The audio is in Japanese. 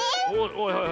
はいはい。